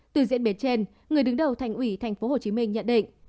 từ diễn biến trên người đứng đầu thành ủy tp hcm nhận định